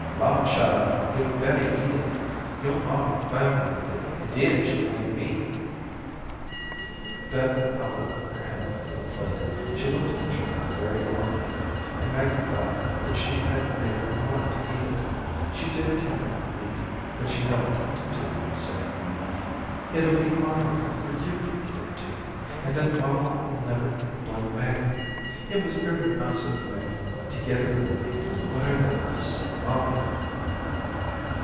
"Law, child, yo'd bettah eat it. Yo'r maw'll find me with it, and den she'll blame me." Beth held out her hand for the plate. She looked at the chicken very longingly, and Maggie thought that she had made up her mind to eat it. She did take up the meat, but she held it out to Duke, saying: "It'll be honorable for you to eat it. Duke, and then mamma'll never blame Maggie. It was very nice of you, Maggie, to get it for me, but I couldn't deceive mamma."